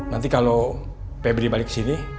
nanti kalau febri balik sini